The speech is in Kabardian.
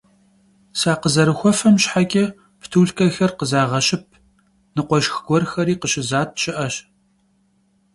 Sakhızerıxuefem şheç'e ptulhç'exer khızağeşıp; nıkhueşşx guerxeri khışızat şı'eş.